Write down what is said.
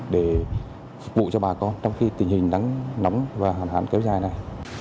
để phục vụ cho bà con trong khi tình hình nắng nóng và hẳn hẳn kéo dài này